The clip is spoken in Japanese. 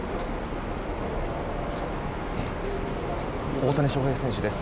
大谷翔平選手です。